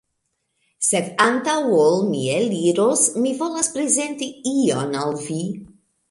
Sed antaŭ ol mi eliros, mi volas prezenti ion al vi